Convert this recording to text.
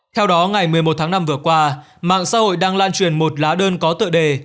theo đó ngày một mươi một tháng năm vừa qua mạng xã hội đang lan truyền một lá đơn có tựa đề